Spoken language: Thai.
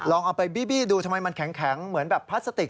เอาไปบี้ดูทำไมมันแข็งเหมือนแบบพลาสติก